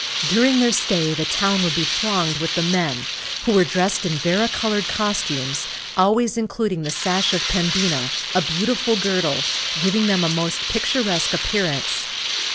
During their stay the town would be thronged with the men, who were dressed in vari colored costumes, always including the sash of Pembina, a beautiful girdle, giving them a most picturesque appearance.